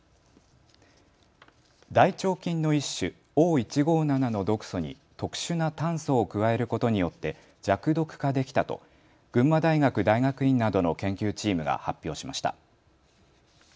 大腸菌の一種、Ｏ１５７の毒素に特殊な炭素を加えることによって弱毒化できたと群馬大学大学院などの研究チームが発表しました。